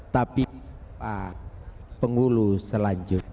tapi penghulu selanjut